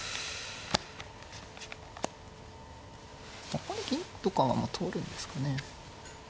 これ銀とかは通るんですかね。